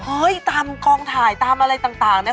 เฮ้ยตามกลางถ่ายตามอะไรต่างน่ะ